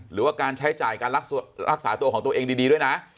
หรือว่าการใช้จ่ายการรักษาตัวของตัวเองดีด้วยนะ